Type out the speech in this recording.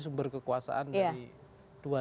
sumber kekuasaan dari dua